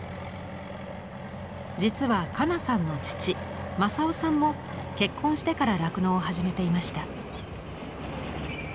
実は加奈さんの父昌男さんも結婚してから酪農を始めていました。